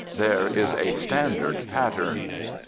There is a standard pattern.